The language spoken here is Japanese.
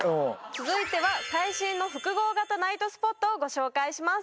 続いては最新の複合型ナイトスポットをご紹介します